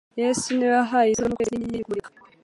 Yesu ni we wahaye izuba n'ukwezi n'inyenyeri kumurika.